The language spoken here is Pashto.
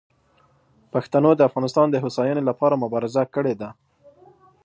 پښتنو د افغانستان د هوساینې لپاره مبارزه کړې ده.